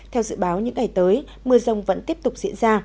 theo dự báo những ngày tới mưa rông vẫn tiếp tục diễn ra